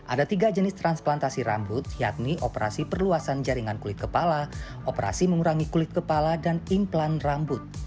ada tiga jenis transplantasi rambut yakni operasi perluasan jaringan kulit kepala operasi mengurangi kulit kepala dan implan rambut